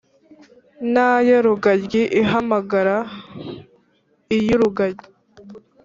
na yo rugaryi ihamagara iy’urugaryi,